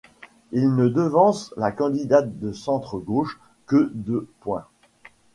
Il ne devance la candidate du centre gauche que deux points.